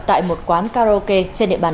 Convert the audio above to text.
tại một quán karaoke trên địa bàn